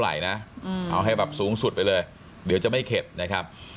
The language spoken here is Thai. ไหลนะเอาให้แบบสูงสุดไปเลยเดี๋ยวจะไม่เข็ดนะครับ